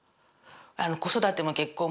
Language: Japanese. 子育ても結婚も。